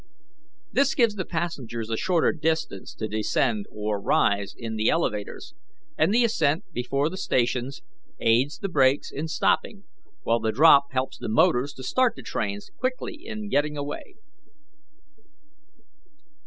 This gives the passengers a shorter distance to descend or rise in the elevators, and the ascent before the stations aids the brakes in stopping, while the drop helps the motors to start the trains quickly in getting away.